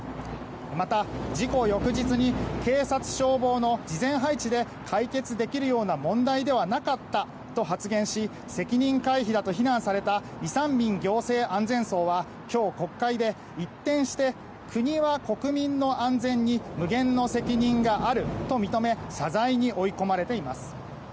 また、事故翌日に警察・消防の事前配置で解決できるような問題ではなかったと発言し、責任回避だと非難されたイ・サンミン行政安全相は今日、国会で一転して、国は国民の安全に無限の責任があると認め謝罪に追い込まれています。